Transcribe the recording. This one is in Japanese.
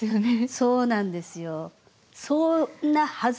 そうなんですよ。